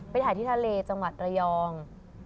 ถ่ายที่ทะเลจังหวัดระยอง